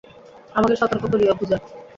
আমাকে সতর্ক করিও, পূজা।